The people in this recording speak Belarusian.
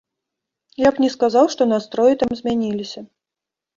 Я б не сказаў, што настроі там змяніліся.